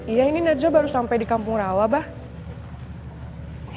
iya ini najwa baru sampai di kampung rawa mbak